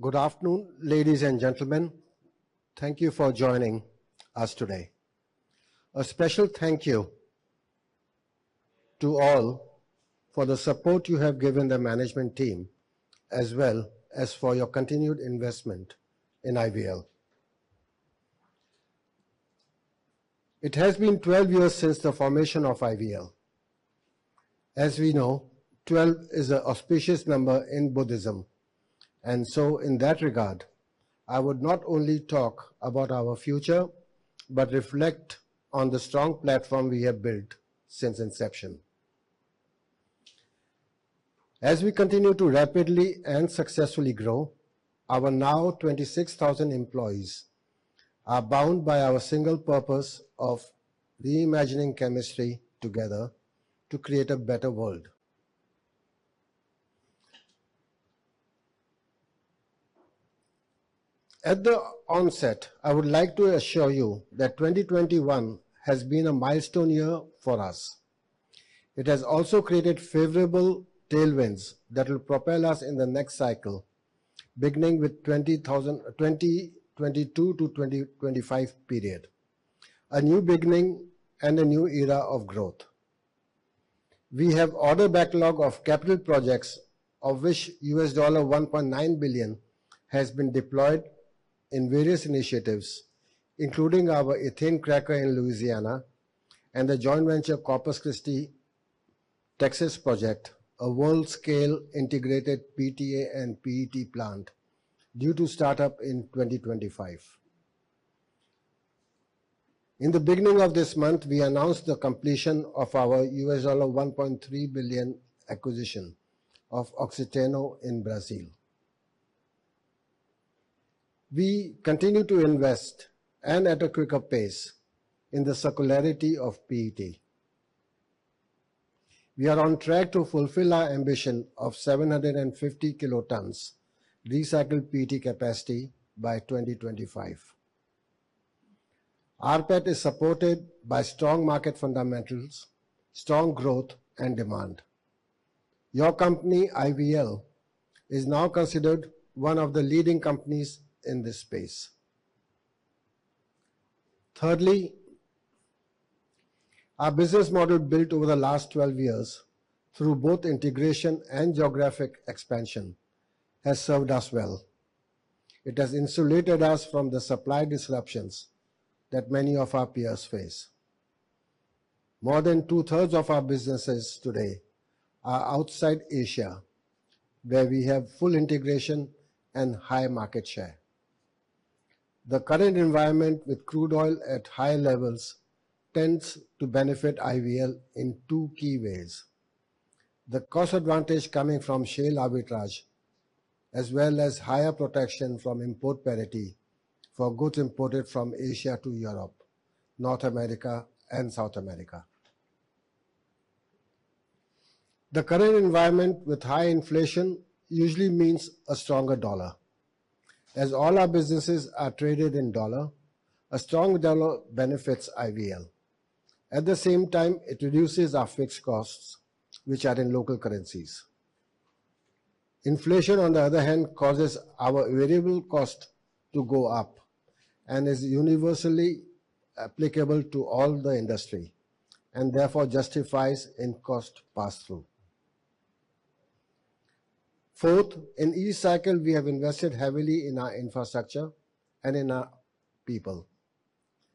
Good afternoon, ladies and gentlemen. Thank you for joining us today. A special thank you to all for the support you have given the management team, as well as for your continued investment in IVL. It has been 12 years since the formation of IVL. As we know, 12 is an auspicious number in Buddhism. In that regard, I would not only talk about our future, but reflect on the strong platform we have built since inception. As we continue to rapidly and successfully grow, our now 26,000 employees are bound by our single purpose of reimagining chemistry together to create a better world. At the onset, I would like to assure you that 2021 has been a milestone year for us. It has also created favorable tailwinds that will propel us in the next cycle, beginning with 2022 to 2025 period. A new beginning and a new era of growth. We have order backlog of capital projects, of which $1.9 billion has been deployed in various initiatives, including our ethane cracker in Louisiana and the joint venture Corpus Christi Polymers, Texas project, a world-scale integrated PTA and PET plant due to start up in 2025. In the beginning of this month, we announced the completion of our $1.3 billion acquisition of Oxiteno in Brazil. We continue to invest, and at a quicker pace, in the circularity of PET. We are on track to fulfill our ambition of 750 kilotons recycled PET capacity by 2025. rPET is supported by strong market fundamentals, strong growth, and demand. Your company, IVL, is now considered one of the leading companies in this space. Thirdly, our business model built over the last 12 years through both integration and geographic expansion has served us well. It has insulated us from the supply disruptions that many of our peers face. More than 2/3 of our businesses today are outside Asia, where we have full integration and high market share. The current environment with crude oil at high levels tends to benefit IVL in two key ways. The cost advantage coming from shale arbitrage, as well as higher protection from import parity for goods imported from Asia to Europe, North America, and South America. The current environment with high inflation usually means a stronger dollar. As all our businesses are traded in dollar, a strong dollar benefits IVL. At the same time, it reduces our fixed costs, which are in local currencies. Inflation, on the other hand, causes our variable cost to go up and is universally applicable to all the industry, and therefore justifies in cost passthrough. Fourth, in each cycle, we have invested heavily in our infrastructure and in our people,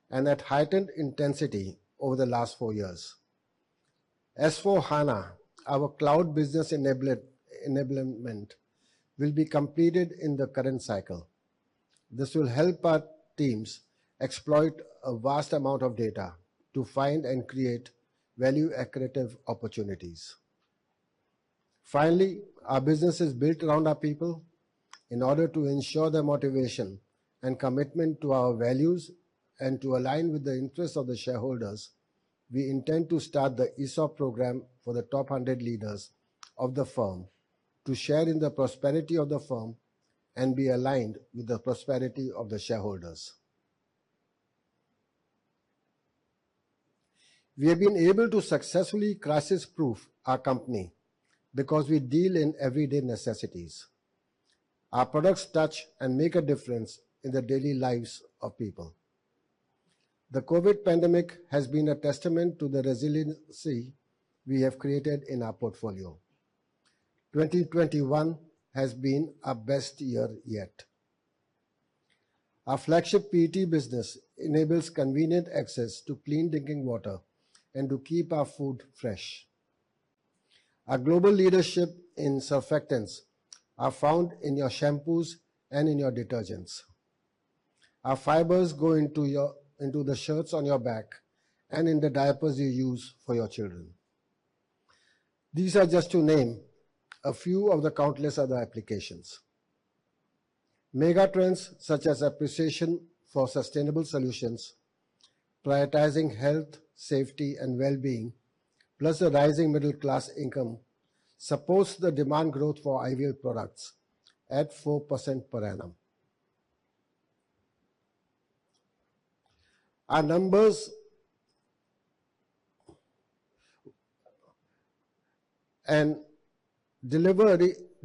and at heightened intensity over the last four years. SAP S/4HANA, our cloud business enablement will be completed in the current cycle. This will help our teams exploit a vast amount of data to find and create value-accretive opportunities. Finally, our business is built around our people. In order to ensure their motivation and commitment to our values and to align with the interests of the shareholders, we intend to start the ESOP program for the top 100 leaders of the firm to share in the prosperity of the firm and be aligned with the prosperity of the shareholders. We have been able to successfully crisis-proof our company because we deal in everyday necessities. Our products touch and make a difference in the daily lives of people. The COVID pandemic has been a testament to the resiliency we have created in our portfolio. 2021 has been our best year yet. Our flagship PET business enables convenient access to clean drinking water and to keep our food fresh. Our global leadership in surfactants are found in your shampoos and in your detergents. Our fibers go into the shirts on your back and in the diapers you use for your children. These are just to name a few of the countless other applications. Megatrends, such as appreciation for sustainable solutions, prioritizing health, safety, and well-being, plus a rising middle class income, supports the demand growth for IVL products at 4% per annum.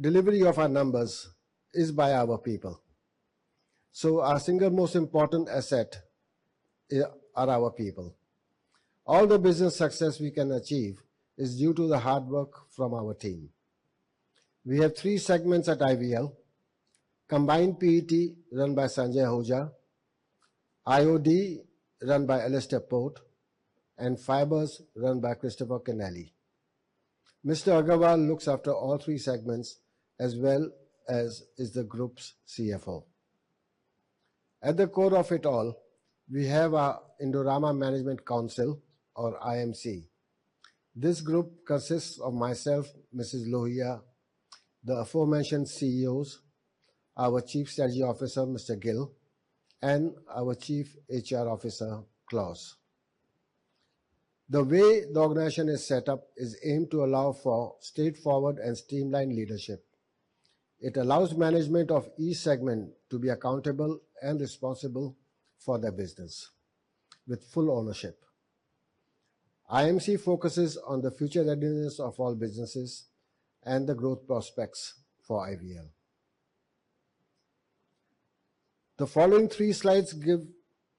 Delivery of our numbers is by our people. Our single most important asset are our people. All the business success we can achieve is due to the hard work from our team. We have three segments at IVL. Combined PET run by Sanjay Ahuja, IOD run by Alastair Port, and Fibers run by Christopher Kenneally. Mr. Agarwal looks after all three segments as well as is the Group's CFO. At the core of it all, we have our Indorama Management Council or IMC. This group consists of myself, Mrs. Lohia, the aforementioned CEOs, our Chief Strategy Officer, Mr. Gill, and our Chief HR Officer, Klaus. The way the organization is set up is aimed to allow for straightforward and streamlined leadership. It allows management of each segment to be accountable and responsible for their business with full ownership. IMC focuses on the future readiness of all businesses and the growth prospects for IVL. The following 3 slides give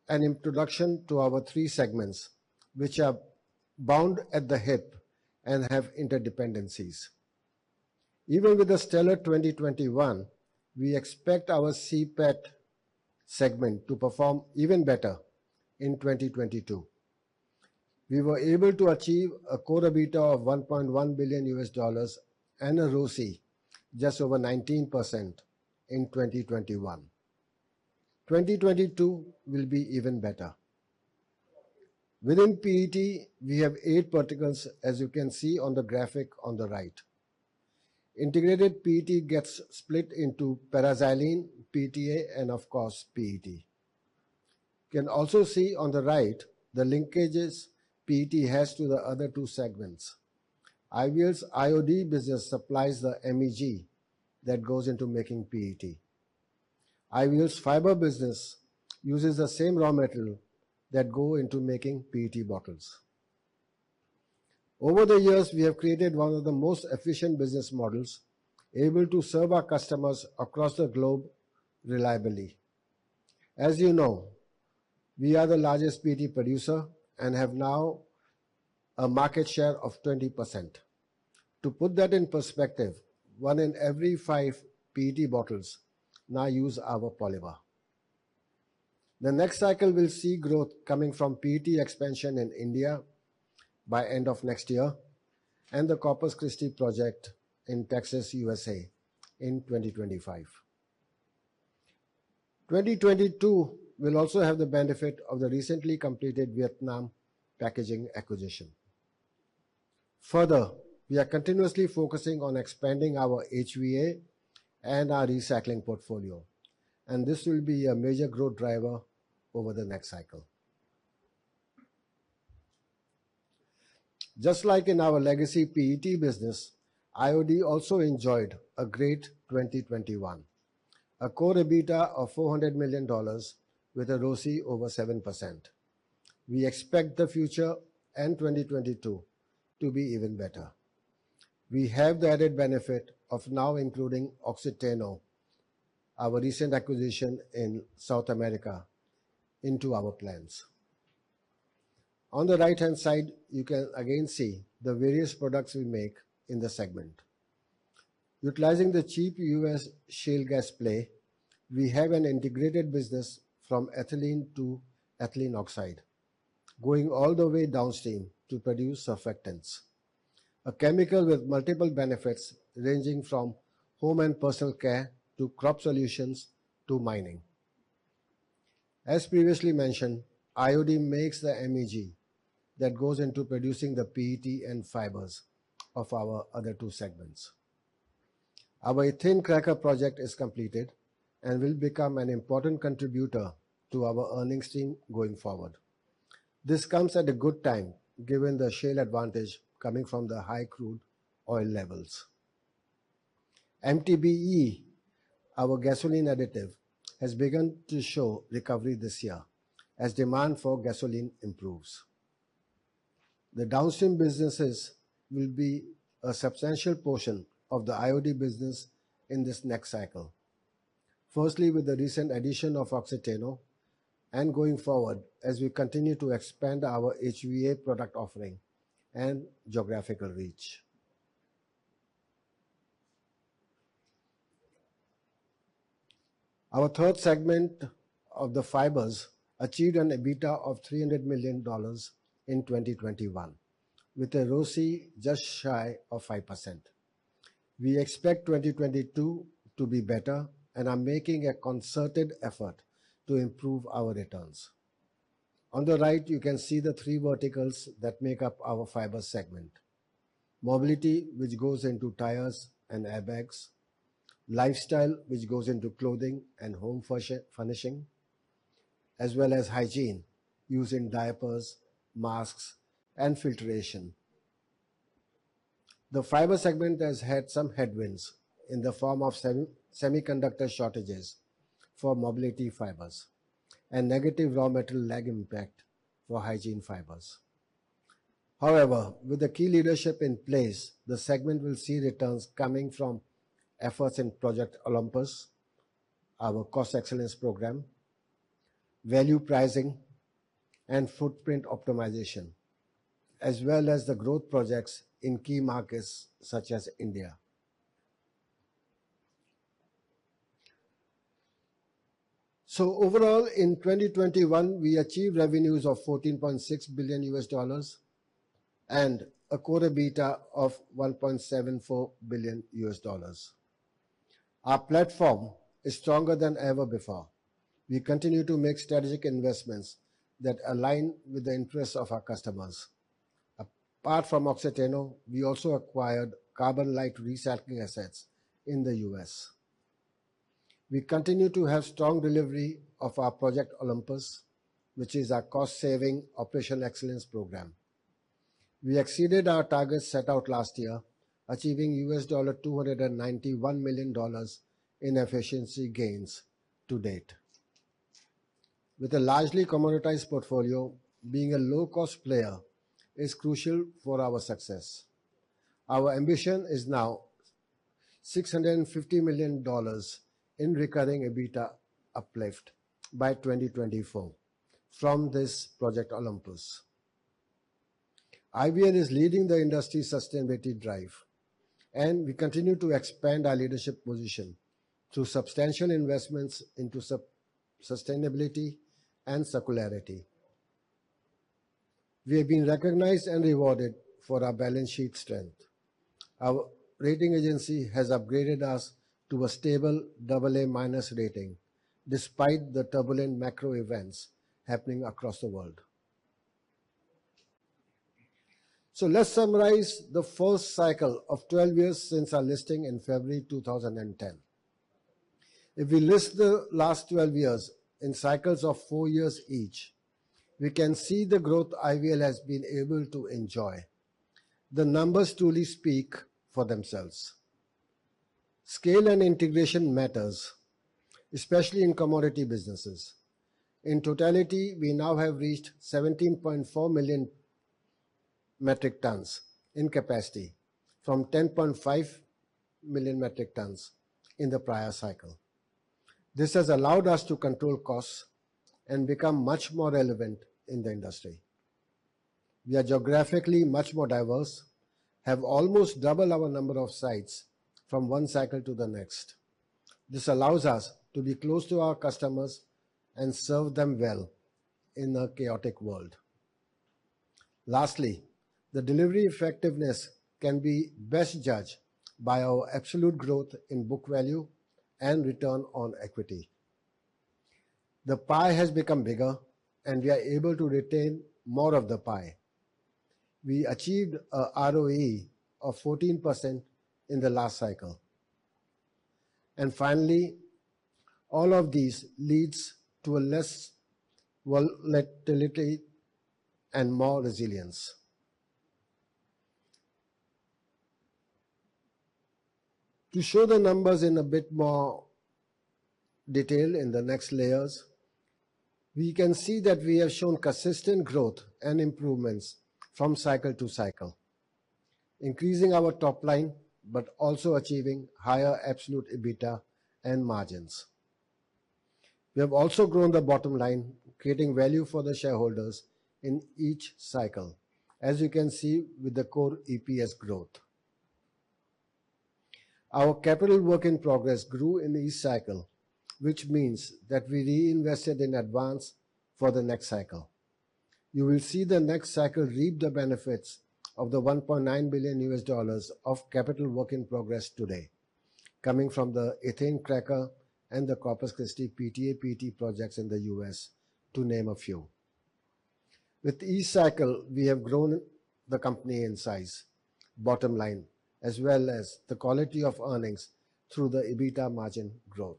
an introduction to our 3 segments, which are bound at the hip and have interdependencies. Even with a stellar 2021, we expect our CPET segment to perform even better in 2022. We were able to achieve a core EBITDA of $1.1 billion and a ROC just over 19% in 2021. 2022 will be even better. Within PET, we have eight verticals as you can see on the graphic on the right. Integrated PET gets split into paraxylene, PTA, and of course, PET. You can also see on the right the linkages PET has to the other two segments. IVL's IOD business supplies the MEG that goes into making PET. IVL's fiber business uses the same raw material that go into making PET bottles. Over the years, we have created one of the most efficient business models able to serve our customers across the globe reliably. As you know, we are the largest PET producer and have now a market share of 20%. To put that in perspective, 1 in every 5 PET bottles now use our polymer. The next cycle will see growth coming from PET expansion in India by end of next year and the Corpus Christi Polymers project in Texas, U.S.A. in 2025. 2022 will also have the benefit of the recently completed Vietnam packaging acquisition. Further, we are continuously focusing on expanding our HVA and our recycling portfolio, and this will be a major growth driver over the next cycle. Just like in our legacy PET business, IOD also enjoyed a great 2021. A core EBITDA of $400 million with a ROC over 7%. We expect the future and 2022 to be even better. We have the added benefit of now including Oxiteno, our recent acquisition in South America, into our plans. On the right-hand side, you can again see the various products we make in the segment. Utilizing the cheap U.S. shale gas play, we have an integrated business from ethylene to ethylene oxide, going all the way downstream to produce surfactants. A chemical with multiple benefits ranging from home and personal care, to crop solutions, to mining. As previously mentioned, IOD makes the MEG that goes into producing the PET and fibers of our other two segments. Our ethane cracker project is completed and will become an important contributor to our earnings stream going forward. This comes at a good time, given the shale advantage coming from the high crude oil levels. MTBE, our gasoline additive, has begun to show recovery this year as demand for gasoline improves. The downstream businesses will be a substantial portion of the IOD business in this next cycle. With the recent addition of Oxiteno and going forward as we continue to expand our HVA product offering and geographical reach. Our third segment of the fibers achieved an EBITDA of $300 million in 2021, with a ROC just shy of 5%. We expect 2022 to be better and are making a concerted effort to improve our returns. On the right, you can see the three verticals that make up our fiber segment. Mobility, which goes into tires and airbags. Lifestyle, which goes into clothing and home furnishing, as well as hygiene used in diapers, masks, and filtration. The fiber segment has had some headwinds in the form of semiconductor shortages for mobility fibers. Negative raw material lag impact for hygiene fibers. However, with the key leadership in place, the segment will see returns coming from efforts in Project Olympus, our cost excellence program, value pricing and footprint optimization, as well as the growth projects in key markets such as India. Overall, in 2021, we achieved revenues of $14.6 billion and a quarter EBITDA of $1.74 billion. Our platform is stronger than ever before. We continue to make strategic investments that align with the interests of our customers. Apart from Oxiteno, we also acquired CarbonLite recycling assets in the U.S. We continue to have strong delivery of our Project Olympus, which is our cost-saving operational excellence program. We exceeded our targets set out last year, achieving $291 million in efficiency gains to date. With a largely commoditized portfolio, being a low-cost player is crucial for our success. Our ambition is now $650 million in recurring EBITDA uplift by 2024 from this Project Olympus. IVL is leading the industry sustainability drive, and we continue to expand our leadership position through substantial investments into sustainability and circularity. We have been recognized and rewarded for our balance sheet strength. Our rating agency has upgraded us to a stable AA- rating despite the turbulent macro events happening across the world. Let's summarize the first cycle of 12 years since our listing in February 2010. If we list the last 12 years in cycles of four years each, we can see the growth IVL has been able to enjoy. The numbers truly speak for themselves. Scale and integration matters, especially in commodity businesses. In totality, we now have reached 17.4 million metric tons in capacity from 10.5 million metric tons in the prior cycle. This has allowed us to control costs and become much more relevant in the industry. We are geographically much more diverse, have almost double our number of sites from one cycle to the next. This allows us to be close to our customers and serve them well in a chaotic world. Lastly, the delivery effectiveness can be best judged by our absolute growth in book value and return on equity. The pie has become bigger, and we are able to retain more of the pie. We achieved a ROE of 14% in the last cycle. Finally, all of these leads to less volatility and more resilience. To show the numbers in a bit more detail in the next layers, we can see that we have shown consistent growth and improvements from cycle to cycle, increasing our top line, but also achieving higher absolute EBITDA and margins. We have also grown the bottom line, creating value for the shareholders in each cycle, as you can see with the core EPS growth. Our capital work in progress grew in each cycle, which means that we reinvested in advance for the next cycle. You will see the next cycle reap the benefits of the $1.9 billion of capital work in progress today, coming from the ethane cracker and the Corpus Christi PTA/PET projects in the U.S., to name a few. With each cycle, we have grown the company in size, bottom line, as well as the quality of earnings through the EBITDA margin growth.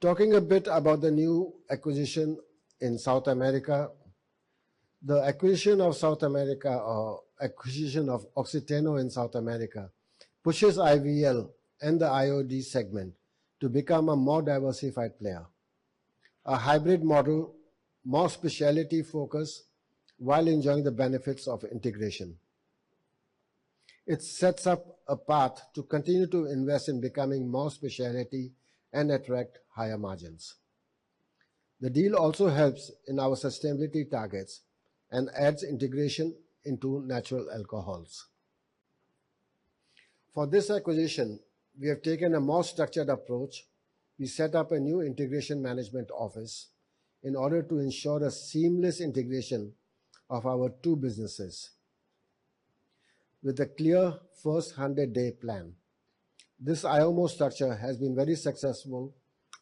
Talking a bit about the new acquisition in South America. The acquisition of South America, or acquisition of Oxiteno in South America, pushes IVL and the IOD segment to become a more diversified player, a hybrid model, more specialty-focused, while enjoying the benefits of integration. It sets up a path to continue to invest in becoming more specialty and attract higher margins. The deal also helps in our sustainability targets and adds integration into natural alcohols. For this acquisition, we have taken a more structured approach. We set up a new integration management office in order to ensure a seamless integration of our two businesses with a clear first 100-day plan. This IMO structure has been very successful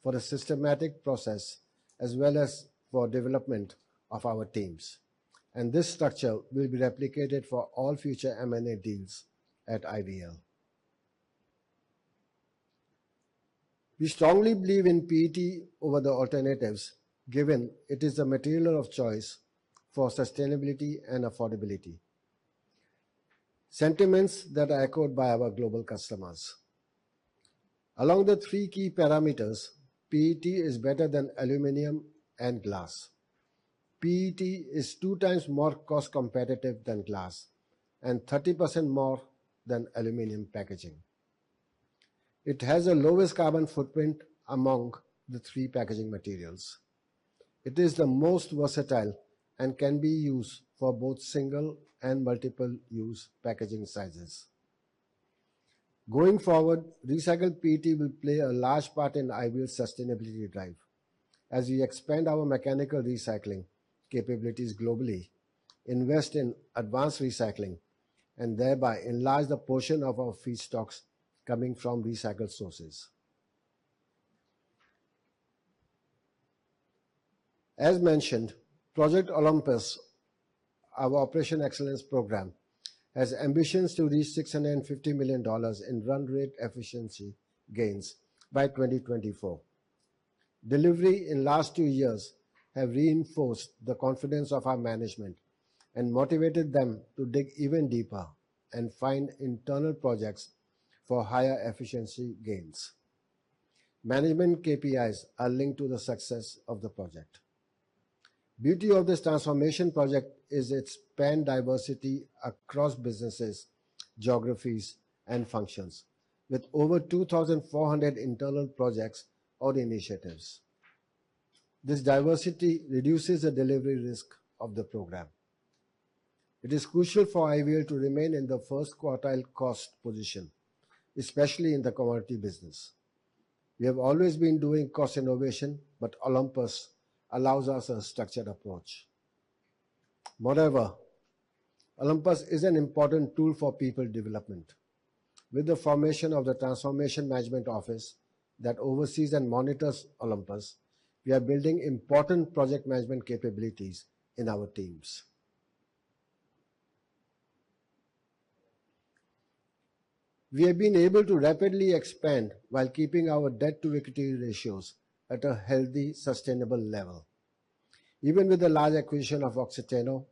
for a systematic process as well as for development of our teams, and this structure will be replicated for all future M&A deals at IVL. We strongly believe in PET over the alternatives, given it is the material of choice for sustainability and affordability. Sentiments that are echoed by our global customers. Along the three key parameters, PET is better than aluminum and glass. PET is 2x more cost competitive than glass and 30% more than aluminum packaging. It has the lowest carbon footprint among the three packaging materials. It is the most versatile and can be used for both single and multiple use packaging sizes. Going forward, recycled PET will play a large part in IVL's sustainability drive as we expand our mechanical recycling capabilities globally, invest in advanced recycling, and thereby enlarge the portion of our feedstocks coming from recycled sources. As mentioned, Project Olympus, our operation excellence program, has ambitions to reach $650 million in run rate efficiency gains by 2024. Delivery in last two years have reinforced the confidence of our management and motivated them to dig even deeper and find internal projects for higher efficiency gains. Management KPIs are linked to the success of the project. Beauty of this transformation project is its span diversity across businesses, geographies, and functions with over 2,400 internal projects or initiatives. This diversity reduces the delivery risk of the program. It is crucial for IVL to remain in the first quartile cost position, especially in the commodity business. We have always been doing cost innovation, but Olympus allows us a structured approach. Moreover, Olympus is an important tool for people development. With the formation of the transformation management office that oversees and monitors Olympus, we are building important project management capabilities in our teams. We have been able to rapidly expand while keeping our debt-to-equity ratios at a healthy, sustainable level. Even with the large acquisition of Oxiteno,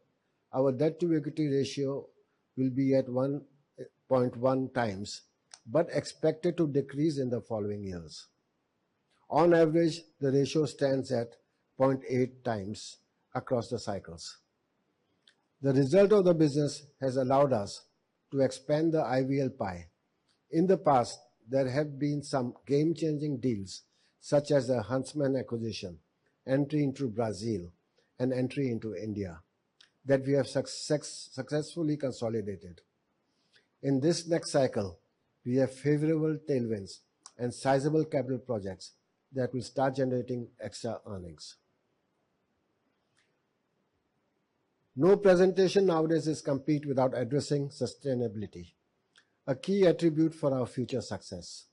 our debt-to-equity ratio will be at 1.1x, but expected to decrease in the following years. On average, the ratio stands at 0.8x across the cycles. The result of the business has allowed us to expand the IVL pie. In the past, there have been some game-changing deals, such as the Huntsman acquisition, entry into Brazil, and entry into India, that we have successfully consolidated. In this next cycle, we have favorable tailwinds and sizable capital projects that will start generating extra earnings. No presentation nowadays is complete without addressing sustainability, a key attribute for our future success.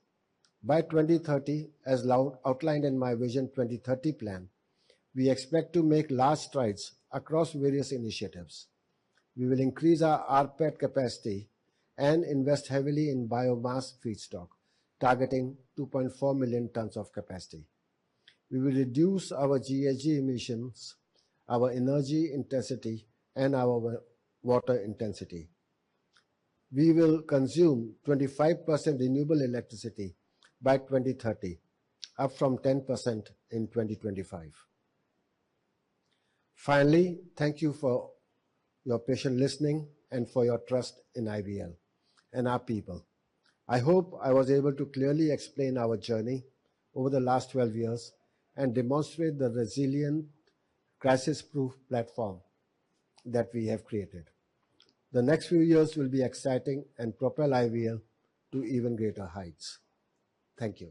By 2030, as outlined in my Vision 2030 plan, we expect to make large strides across various initiatives. We will increase our rPET capacity and invest heavily in biomass feedstock, targeting 2.4 million tons of capacity. We will reduce our GHG Emissions, our energy intensity, and our water intensity. We will consume 25% renewable electricity by 2030, up from 10% in 2025. Finally, thank you for your patient listening and for your trust in IVL and our people. I hope I was able to clearly explain our journey over the last 12 years and demonstrate the resilient crisis-proof platform that we have created. The next few years will be exciting and propel IVL to even greater heights. Thank you.